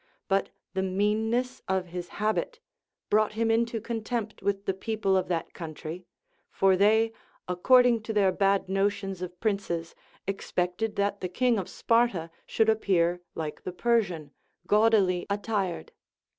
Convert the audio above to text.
But the meanness of his habit brought him into contempt with the people of that coun try ; for they, according to their bad notions of princes, ex pected that the king of Sparta should appear like the Persian, gaudily attired.